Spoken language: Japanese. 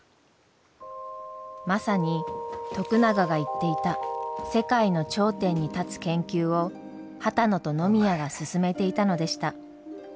まさに徳永が言っていた世界の頂点に立つ研究を波多野と野宮が進めていたのでした。